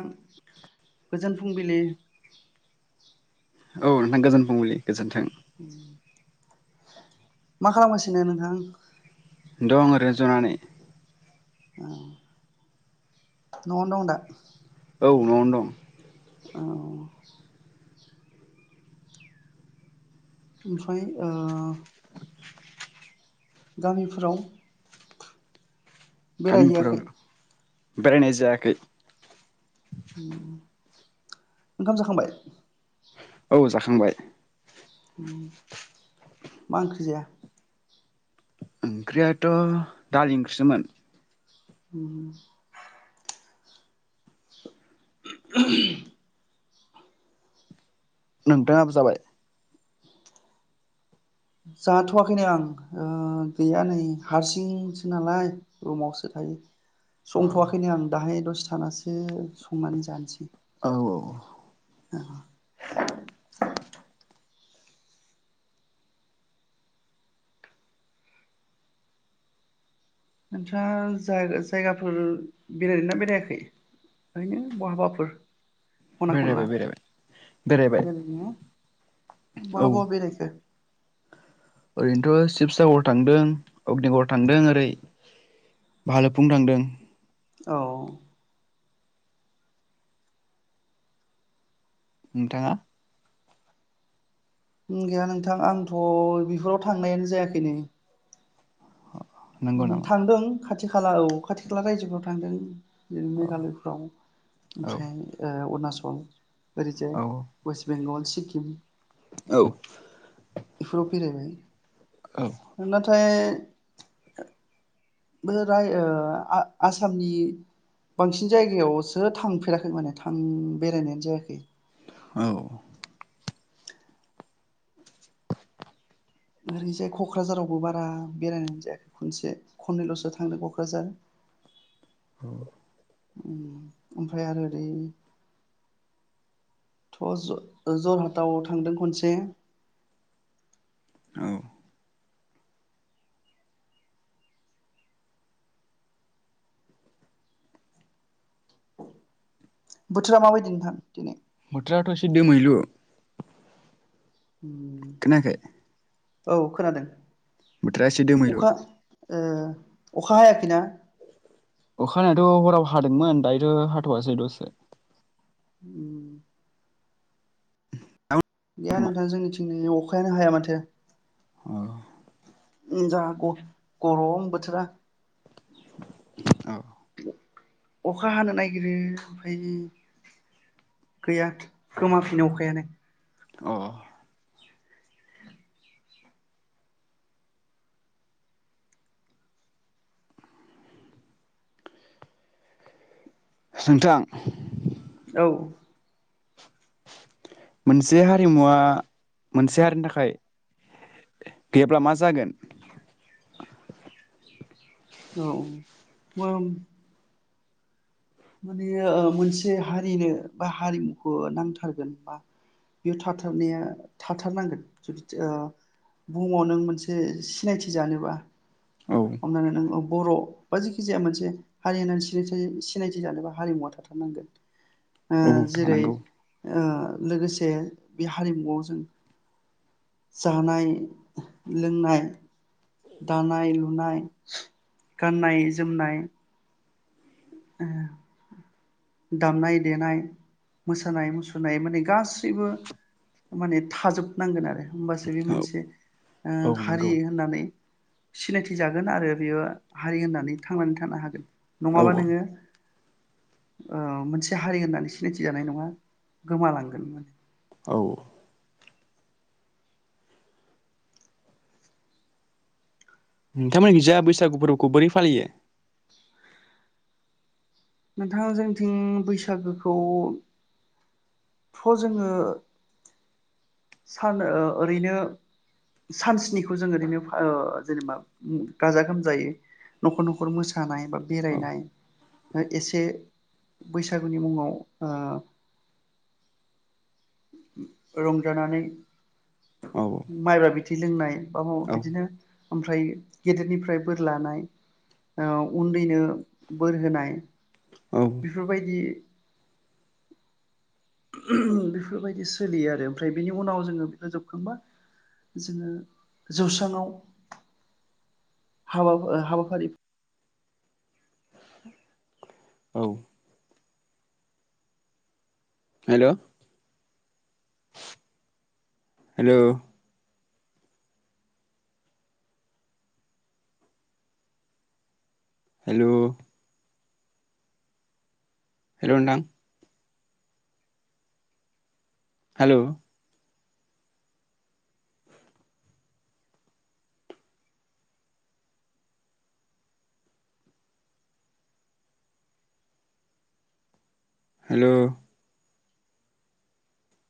नोंथां गोजोन फुंबिलि। औ नोंथां गोजोन फुंबिलि। गोजोन्थों। [inaudible] मा खालामासिनो नोंथां? दं ओरैनो जनानानै [inaudible] नआवनो दंङ दा औ नआवनो दं। औ। ओमफ्राय ओ गामिफोराव गामिफोराव बेरायहैयाखै बेरायनाय जायाखै। [inaudible] ओंखाम जाखांबाय‌ औ जाखांबाय। ओम मा ओंख्रि जाया? ओंख्रियाथ दालि ओंख्रिसोमोन। उम [inaudible] नोंथाङाबो जाबाय? जाथवाखैनो आं ओ गैया नै हारसिंसो नालाय रुमावसो थायो। औ संथवाखैनो आं दाहाय दसथानासो संनानै जानोसै औ औ। [inaudible] नोंथां जाय-जायगाफोर बेरायदों ना बेरायाखै ओरैनो बहाबाफोर? खना खनला बेरायबाय बेरायबाय बेरायबाय। बेरायदोंना औ बहा बहा बेरायखो? ओरैनोथ शिबसागर थांदों अग्निगर थांदों ओरै भालुकफुं थांदों। औ। नोंथाङा गैया नोंथां आंथ बेफोराव थांनायानो जायाखैनो। नंगौ ओम नामा थांदों खाथि खाला औ खाथि खाला रायजोफोराव थांदों। औ मेघालयफ्राव औ ओमफ्राय ओ उरनाचल [inaudible] ओरैजाय औ वेस्ट बेंगल सिक्किम औ। बेफोराव बेरायबाय। नथाय [unintelligible] बोराय ओ आ आसामनि बांसिन जायगायावसो थांफेराखै माने थां बेरायनायानो जायाखै औ ओरैजाय क'क्राझारावबो बारा बेरायनायानो जायाखै खनसे खननैल'सो थांदों क'क्राझार। औ उम ओमफ्राय आरो ओरै थ ज जरहाटाव थांदों खनसे औ बोथोरा माबायदि नोंथां दिनै बोथोराथ' ऐसे दोमैलु खोनायाखै औ खोनादों। बोथोरा ऐसे दोमैलु अखा ओ अखा हायाखैना? अखा हानायाथ' हराव हादोंमोन दायोथ' हाथ'वासै दसे उम [inaudible] गैया नोंथां जोंनिथिं नै अखायानो हाया माथो औ जा ग-गरम बोथोरा अखा हानो नागिरो ओमफाय गैया गोमाफिनो अखायानो। औ सुथां औ मोनसे हारिमुवा मोनसे हारिनि थाखाय गैयाब्ला मा जागोन। औ मोम माने ओ मोनसे हारिनो बा हारिमुखौ नांथारगोन बा बेयाव थाथारनाया थाथारनांगोन जुदि ओ बुहुमाव नों मोनसे सिनायथि जानोबा औ हमनानै नों ओ बर' बा जेखि जाया मोनसे हारि होननानै सिनायथि सि सिनायथि जानोबा हारिमुआ थाथारनांगोन ओ औ जेरै थानांगौ ओ लोगोसे बे हारिमुआव जों जानाय लोंनाय दानाय लुनाय गाननाय जोमनाय ओ दामनाय देनाय मोसानाय मुसुरनाय माने गासैबो माने थाजोबनांगोन आरो होमबासो बे औ मोनसे ओ औ हारि नंगौ होननानै सिनायथि जागोन आरो बेयो हारि होननानै थांनानै थानो हागोन औ नङाबा औ नोङो ओ मोनसे हारि होननानै सिनायथि जानाय नङा गोमालांगोन माने औ नोंथांमोनखिजा बैसागु फोरबोखौ बोरै फालियो? नोंथां जोंनिथिं बैसागोखौ थ' जोङो सान ओ ओरैनो सानस्निखौ जों ओरैनो ओ जेनेबा उम गाजा गोमजायै न'खर न'खर मोसानाय बा औ बेरायनाय एसे बैसागुनि मुङाव ओ रं जानानै औ माइब्रा बिथै लोंनाय बा औ बिदिनो ओमफ्राय गेदेरनिफ्राय बोर लानाय ओ उन्दैनो बोर होनाय औ बेफोरबायदि उम बेफोरबायदि सोलियो आरो। ओमफ्राय बिनि उनाव जोङो बे खो जोबखांबा जोङो जौसांआव हाबा ओ हाबाफारि औ हेल' हेलौ हेल' हेल' नोंथां हेलौ हेल'